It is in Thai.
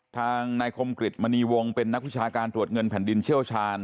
ทางนายคมกริจมณีวงเป็นนักวิชาการตรวจเงินแผ่นดินเชี่ยวชาญ